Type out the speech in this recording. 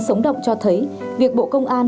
sống động cho thấy việc bộ công an